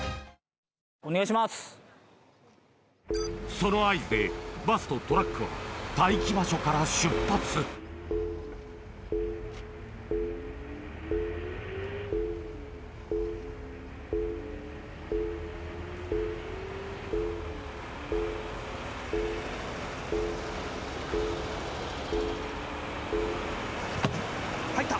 その合図でバスとトラックは待機場所から出発入った。